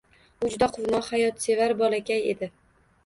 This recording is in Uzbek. U juda quvnoq, hayotsevar bolakay edi